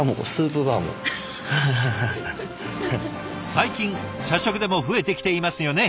最近社食でも増えてきていますよね